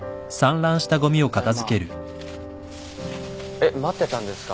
えっ待ってたんですか？